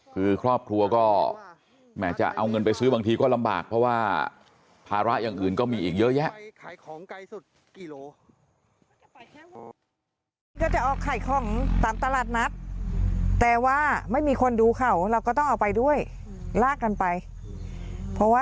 คือครอบครัวก็แหมจะเอาเงินไปซื้อบางทีก็ลำบากเพราะว่าภาระอย่างอื่นก็มีอีกเยอะแยะ